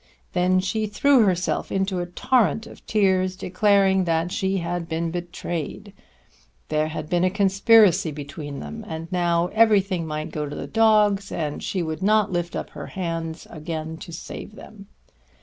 Then she threw herself into a torrent of tears declaring that she had been betrayed. There had been a conspiracy between them, and now everything might go to the dogs, and she would not lift up her hands again to save them.